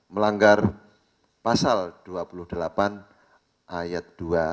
melanggar pasal dua puluh delapan ayat dua